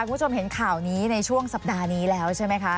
คุณผู้ชมเห็นข่าวนี้ในช่วงสัปดาห์นี้แล้วใช่ไหมคะ